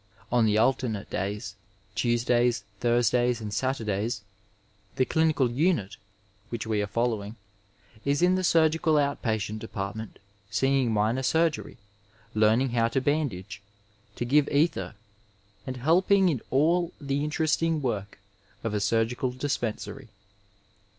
On the alternate days, Tuesdays, Thursdays and Satur days, the clinical unit (which we are following) is in the surgical out patient department, seeing minor BmrgNy, learning how to bandage, to give ether, and helping in all the interesting work of a surgical dispensary.